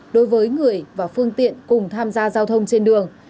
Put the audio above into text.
đối với người và phương tiện cùng tham gia giao thông trên đường